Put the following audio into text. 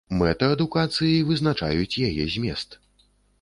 Мэты адукацыі вызначаюць яе змест.